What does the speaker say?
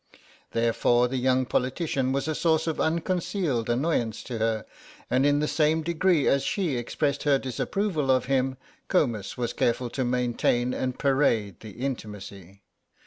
Therefore the young politician was a source of unconcealed annoyance to her, and in the same degree as she expressed her disapproval of him Comus was careful to maintain and parade the intimacy.